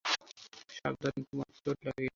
সাবধানে, তোমার চোট লেগেছে।